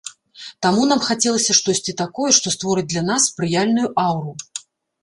Таму нам хацелася штосьці такое, што створыць для нас спрыяльную аўру.